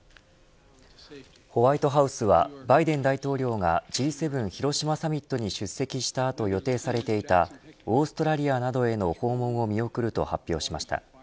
ホワイトハウスはバイデン大統領がＧ７広島サミットに出席した後予定されていたオーストラリアなどへの訪問を見送ると発表しました。